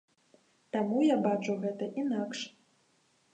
Таму я бачу гэта інакш.